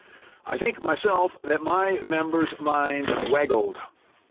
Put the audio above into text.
I think myself that my member's mind waggled.